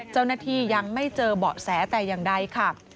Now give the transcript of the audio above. เจ้าหน้าที่ยังไม่เจอเบาะแสแต่อย่างใดค่ะ